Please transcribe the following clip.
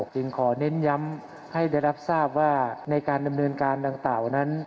จึงขอเน้นย้ำให้ได้รับทราบว่าในการดำเนินการดังกล่าวนั้น